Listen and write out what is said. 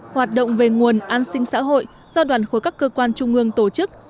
hoạt động về nguồn an sinh xã hội do đoàn khối các cơ quan trung ương tổ chức